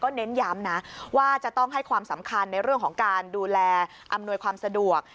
เน้นย้ำนะว่าจะต้องให้ความสำคัญในเรื่องของการดูแลอำนวยความสะดวก